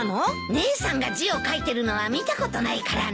姉さんが字を書いてるのは見たことないからね。